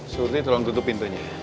surti tolong tutup pintunya